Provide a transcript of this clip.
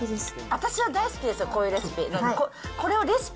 私は大好きですよ、こういうレシピ。